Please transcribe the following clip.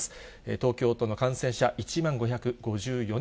東京都の感染者１万５５４人。